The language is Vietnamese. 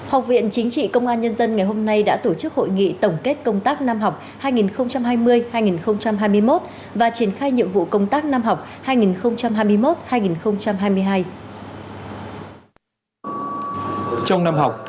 học viện chính trị công an nhân dân ngày hôm nay đã tổ chức hội nghị tổng kết công tác năm học hai nghìn hai mươi hai nghìn hai mươi một và triển khai nhiệm vụ công tác năm học hai nghìn hai mươi một hai nghìn hai mươi hai